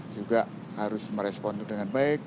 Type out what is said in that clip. juga harus merespon itu dengan baik